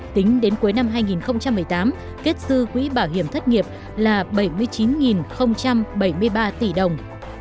tính đến cuối năm hai nghìn một mươi tám kết dư quỹ bảo hiểm thất nghiệp là bảy mươi chín bảy mươi ba tỷ đồng